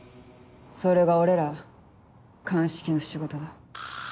それが俺ら鑑識の仕事だ。